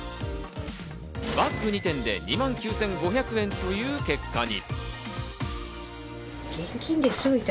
バッグ２点で２万９５００円という結果に。